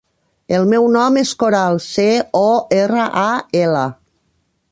El meu nom és Coral: ce, o, erra, a, ela.